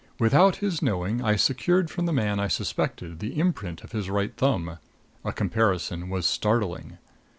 Without his knowing, I secured from the man I suspected the imprint of his right thumb. A comparison was startling.